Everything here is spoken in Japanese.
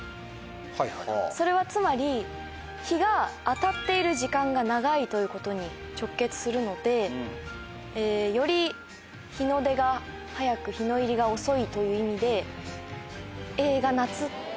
それはつまり日が当たっている時間が長いということに直結するのでより日の出が早く日の入りが遅いという意味でＡが夏。